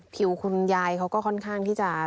คุณยายเขาก็ค่อนข้างที่จะ